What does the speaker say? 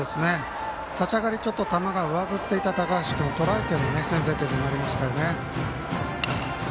立ち上がり、ちょっと球が上ずっていた高橋君とらえての先制点となりましたね。